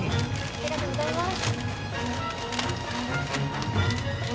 ありがとうございます。